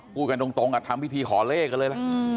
พูดกันตรงทำพิธีขอเลขกันเลยล่ะ